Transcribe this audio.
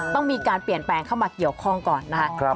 ต้องมีการเปลี่ยนแปลงเข้ามาเกี่ยวข้องก่อนนะครับ